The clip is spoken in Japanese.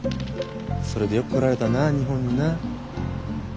それでよく来られたな日本にな。